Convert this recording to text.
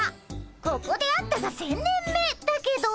ここで会ったが１，０００年目だけど。